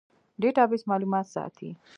ډیټابیس معلومات ساتي